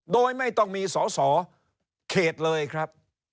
โดยไม่ต้องมีสอสอเขตเลยครับ